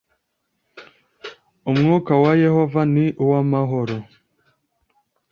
Umwuka wa Yehova ni uwamahoro